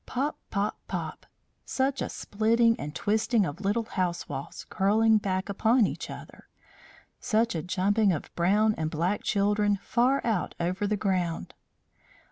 Pop! pop! pop! Such a splitting and twisting of little house walls curling back upon each other! Such a jumping of brown and black children far out over the ground!